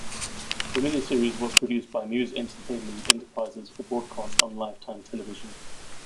The miniseries was produced by Muse Entertainment Enterprises for broadcast on Lifetime Television.